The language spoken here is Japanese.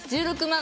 １６万